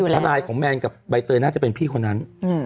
ทนายของแมนกับใบเตยน่าจะเป็นพี่คนนั้น